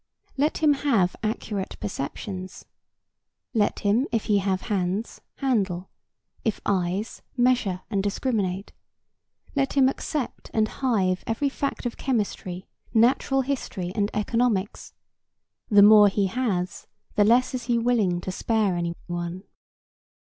Let him have accurate perceptions. Let him, if he have hands, handle; if eyes, measure and discriminate; let him accept and hive every fact of chemistry, natural history and economics; the more he has, the less is he willing to spare any one.